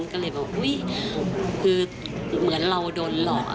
ก็เลยบอกอุ๊ยคือเหมือนเราโดนหลอก